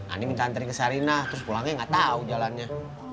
ani minta nganterin ke sarina terus pulangnya nggak tahu jalannya